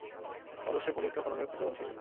পারস্যে পরিখা খননের প্রচলন ছিল।